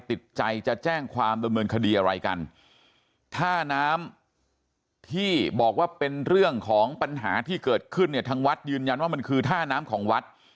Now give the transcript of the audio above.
ท่าน้ำที่บอกว่าเป็นเรื่องของปัญหาที่เกิดขึ้นเนี่ยทางวัดยืนยันว่ามันคือท่าน้ำของวัด